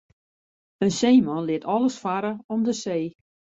In seeman lit alles farre om de see.